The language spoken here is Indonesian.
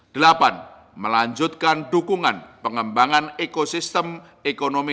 delapan melanjutkan dukungan pengembangan ekosistem ekonomi